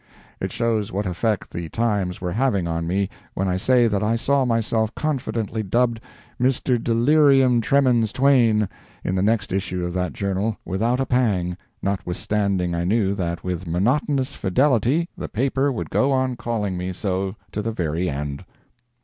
[It shows what effect the times were having on me when I say that I saw myself confidently dubbed "Mr. Delirium Tremens Twain" in the next issue of that journal without a pang—notwithstanding I knew that with monotonous fidelity the paper would go on calling me so to the very end.